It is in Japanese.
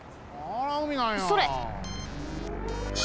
それ。